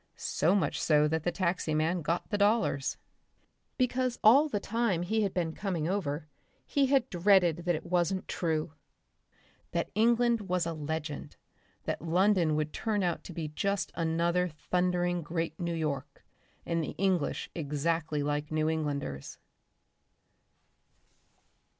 So much so that the taxi man got the dollars.... Because all the time he had been coming over he had dreaded that it wasn't true, that England was a legend, that London would turn out to be just another thundering great New York, and the English exactly like New Englanders....